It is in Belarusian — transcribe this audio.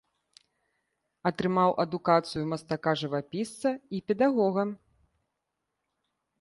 Атрымаў адукацыю мастака-жывапісца і педагога.